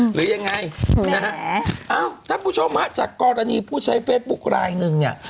หรือยังไงนะฮะเอ้าท่านผู้ชมฮะจากกรณีผู้ใช้เฟซบุ๊คลายหนึ่งเนี่ย